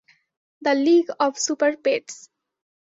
The league of Super-Pets.